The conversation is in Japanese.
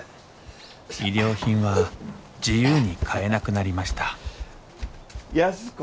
衣料品は自由に買えなくなりました安子。